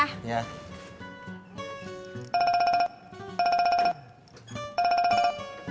bunga berangkat dulu ya